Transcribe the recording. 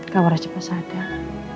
kau udah cepet sadar